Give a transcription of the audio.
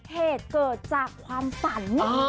เหตุเกิดจากความฝัน